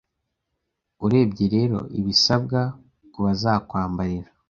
Urebye rero ibisabwa ku bazakwambarira